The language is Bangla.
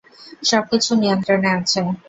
সবকিছু নিয়ন্ত্রণে আছে।